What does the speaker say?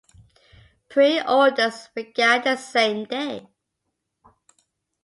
Preorders began the same day.